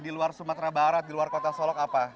di luar sumatera barat di luar kota solok apa